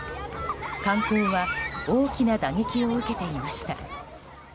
観光は大きな打撃を受けていました。